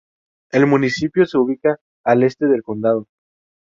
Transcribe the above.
El municipio se ubica al este del condado.